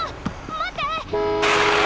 待って！